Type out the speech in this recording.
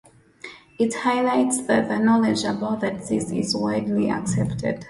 It highlights that the knowledge about the disease is widely accepted.